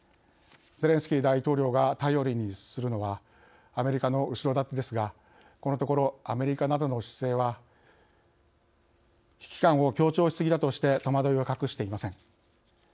ゼレンスキー大統領が頼りにするのはアメリカの後ろ盾ですがこのところ、アメリカなどの姿勢は危機感を強調しすぎだとして戸惑いを隠していません。